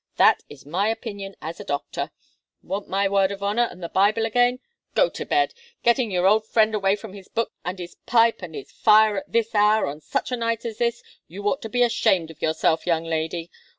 That is my opinion as a doctor. Want my word of honour and the Bible again? Go to bed! Getting your old friend away from his books and his pipe and his fire at this hour, on such a night as this! You ought to be ashamed of yourself, young lady!